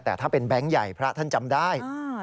แต่ถ้าเป็นแบงค์ใหญ่พระท่านจำได้